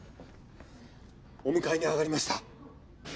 お迎えにあがりました。